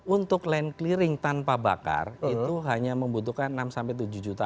untuk land clearing tanpa bakar itu hanya membutuhkan enam tujuh juta